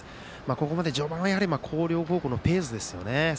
ここまで序盤は広陵高校のペースですよね。